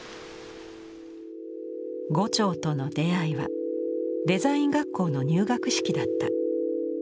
牛腸との出会いはデザイン学校の入学式だった。